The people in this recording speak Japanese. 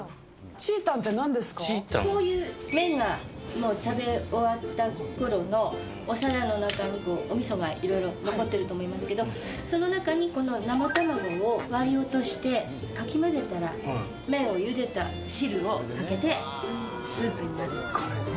こういう麺が食べ終わったころのお皿の中におみそがいろいろ残ってると思いますけども、その中にこの生卵を割り落としてかき混ぜたら、麺をゆでた汁をかけてスープになるっていうね。